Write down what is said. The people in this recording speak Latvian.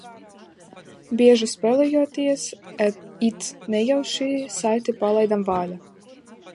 Bieži spēlējoties, it nejauši, saiti palaidām vaļā.